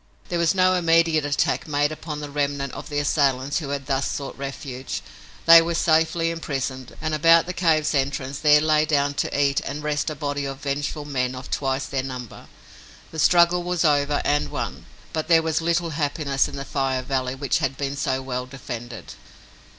There was no immediate attack made upon the remnant of the assailants who had thus sought refuge. They were safely imprisoned, and about the cave's entrance there lay down to eat and rest a body of vengeful men of twice their number. The struggle was over, and won, but there was little happiness in the Fire Valley which had been so well defended.